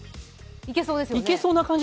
いけそうですよね。